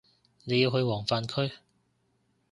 你要去黃泛區